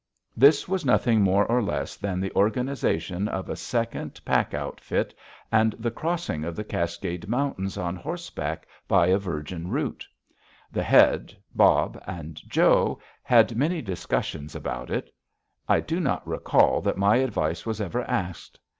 This was nothing more nor less than the organization of a second pack outfit and the crossing of the Cascade Mountains on horseback by a virgin route. The Head, Bob, and Joe had many discussions about it. I do not recall that my advice was ever asked.